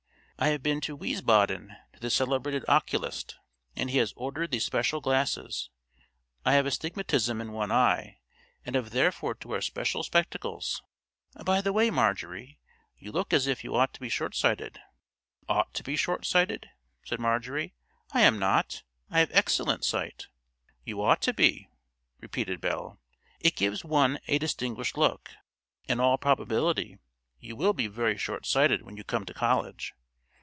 I have been to Wiesbaden to the celebrated oculist, and he has ordered these special glasses. I have astigmatism in one eye, and have therefore to wear special spectacles. By the way, Marjorie, you look as if you ought to be short sighted." "Ought to be short sighted?" said Marjorie. "I am not; I have excellent sight." "You ought to be," repeated Belle; "it gives one a distinguished look. In all probability you will be very short sighted when you come to college.